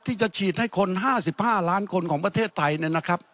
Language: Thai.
ที่จะฉีดให้คน๕๕ล้านคนของประเทศไทยเนี่ยนะครับ